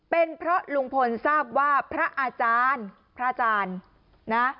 เป็นเพราะลุงพลทราบว่าพระอาจารย์พระอาจารย์นะ